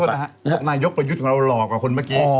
นายกประยุทธ์ของเราหลอกกว่าคนเมื่อกี้